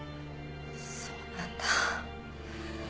そうなんだ。